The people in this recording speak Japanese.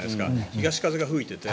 東風が吹いていて。